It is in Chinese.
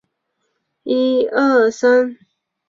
中国农业科学院作物育种栽培研究所研究员。